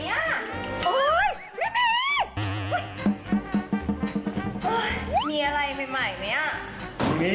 โอ้ยไม่มีโอ้ยมีอะไรใหม่ใหม่ไหมอ่ะไม่มี